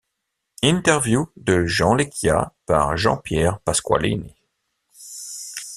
Interview de Jean Leccia par Jean-Pierre Pasqualini.